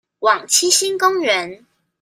往七星公園